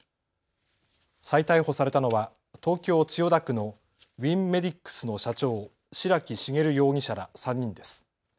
再逮捕されたのは東京千代田区のウィンメディックスの社長、白木茂容疑者ら３人です。